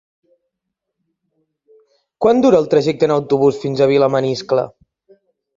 Quant dura el trajecte en autobús fins a Vilamaniscle?